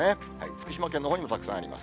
福島県のほうにもたくさんあります。